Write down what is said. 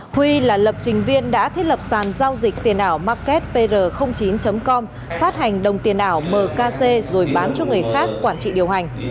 huy là lập trình viên đã thiết lập sàn giao dịch tiền ảo market pr chín com phát hành đồng tiền ảo mkc rồi bán cho người khác quản trị điều hành